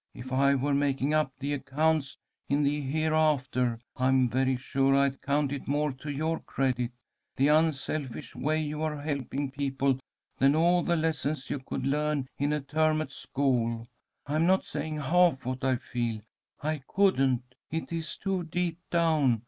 If I were making up the accounts in the Hereafter, I am very sure I'd count it more to your credit, the unselfish way you are helping people than all the lessons you could learn in a term at school. I am not saying half what I feel. I couldn't. It is too deep down.